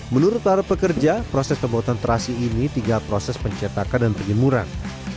menurut para pekerja proses pembuatan terasi ini tinggal proses pencetakan dan penyemuran